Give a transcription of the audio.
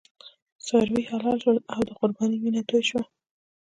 څاروي حلال شول او د قربانۍ وینه توی شوه.